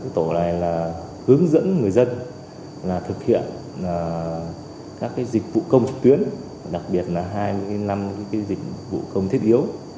tổ này là hướng dẫn người dân thực hiện các dịch vụ công trực tuyến đặc biệt là hai mươi năm dịch vụ công thiết yếu